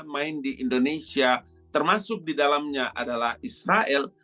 main di indonesia termasuk di dalamnya adalah israel